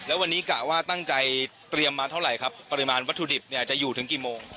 แล้ววันนี้กะว่าตั้งใจเตรียมมาเท่าไหร่ครับปริมาณวัตถุดิบเนี่ยจะอยู่ถึงกี่โมง